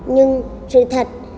nhưng sự thật